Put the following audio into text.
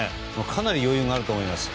かなり余裕があると思います。